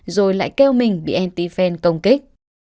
rồi lại kêu mình bị anti fan công kích